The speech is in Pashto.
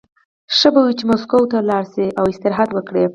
ښه به وي چې مسکو ته لاړ شي او استراحت وکړي